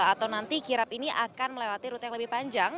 atau nanti kirap ini akan melewati rute yang lebih panjang